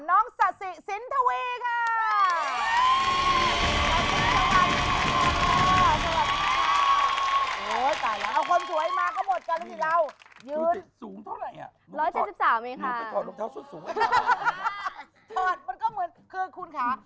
น้องสะสิสินทวีค่ะ